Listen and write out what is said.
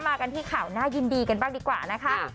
มากันที่ข่าวน่ายินดีกันบ้างดีกว่านะคะ